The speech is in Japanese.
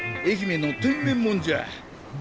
愛媛の天然もんじゃあ。